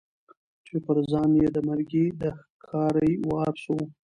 چي پر ځان یې د مرګي د ښکاري وار سو